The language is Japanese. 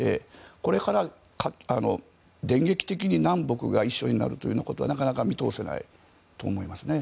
これから電撃的に南北が一緒になるということはなかなか見通せないと思います。